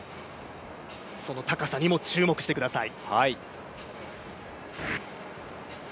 その高さにも注目してください。